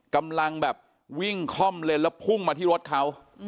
กำลังแบบวิ่งค่อมเลนแล้วพุ่งมาที่รถเขา